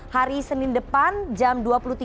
hari senin depan jam dua puluh tiga